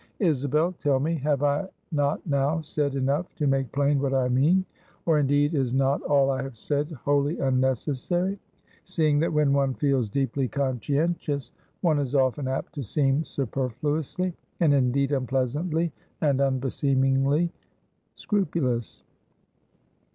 Isabel! tell me; have I not now said enough to make plain what I mean? Or, indeed, is not all I have said wholly unnecessary; seeing that when one feels deeply conscientious, one is often apt to seem superfluously, and indeed unpleasantly and unbeseemingly scrupulous?